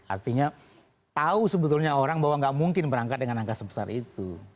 artinya tahu sebetulnya orang bahwa nggak mungkin berangkat dengan angka sebesar itu